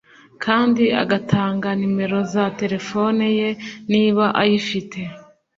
kandi agatanga nimero za telefone ye niba ayifite